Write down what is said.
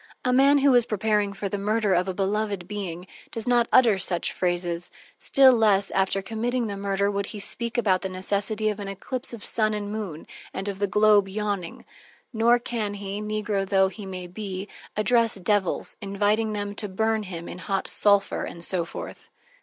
A man who is preparing for the murder of a beloved being, does not utter such phrases, still less after committing the murder would he speak about the necessity of an eclipse of sun and moon, and of the globe yawning; nor can he, negro tho he may be, address devils, inviting them to burn him in hot sulphur and so forth.